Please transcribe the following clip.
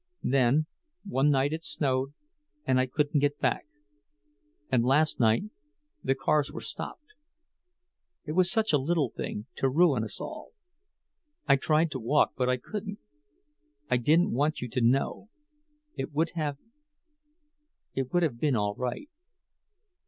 Then—one night it snowed, and I couldn't get back. And last night—the cars were stopped. It was such a little thing—to ruin us all. I tried to walk, but I couldn't. I didn't want you to know. It would have—it would have been all right.